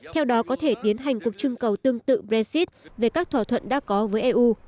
theo đó có thể tiến hành cuộc trưng cầu tương tự brexit về các thỏa thuận đã có với eu